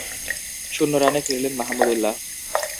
শূন্য রানে ফিরলেন মাহমুদউল্লাহও।